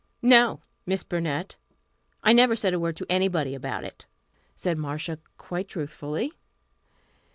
"No, Miss Burnett, I never said a word to anybody about it," said Marcia, quite truthfully.